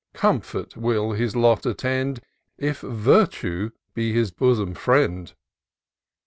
173 Comfort will on his lot attend^ K Virtue be his bosom friend.